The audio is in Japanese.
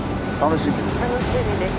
楽しみです。